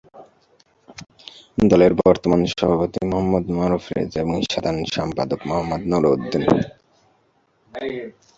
দলের বর্তমান সভাপতি মুহাম্মদ মারুফ রেজা এবং সাধারণ সম্পাদক মোহাম্মদ নুরউদ্দিন।